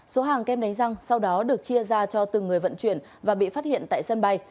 số hàng kem đánh răng sau đó được chia ra cho từng người vận chuyển và bị phát hiện tại sân bay